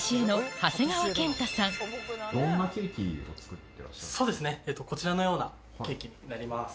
こちらはそうですねこちらのようなケーキになります。